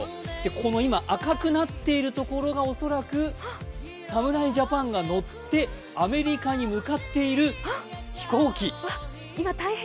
この赤くなっているところが恐らく、侍ジャパンが乗ってアメリカに向かっている飛行機。